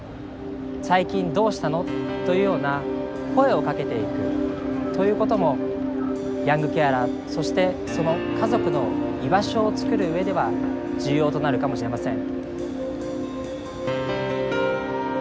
「最近どうしたの？」というような声をかけていくということもヤングケアラーそしてその家族の居場所を作る上では重要となるかもしれません。